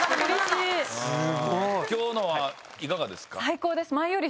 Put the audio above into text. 今日のはいかがですか？